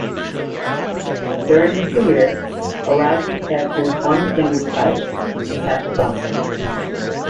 During his career, Arazi captured one singles title, in Casablanca.